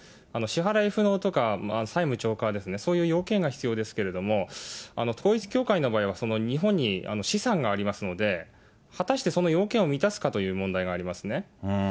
支払い不能とか、債務超過ですね、そういう要件が必要ですけれども、統一教会の場合は日本に資産がありますので、果たしてその要件を満たすかという問題がありますね。